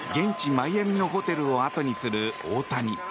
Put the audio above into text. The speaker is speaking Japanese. マイアミのホテルをあとにする大谷。